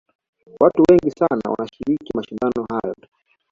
watu wengi sana wanashiriki mashindano hayo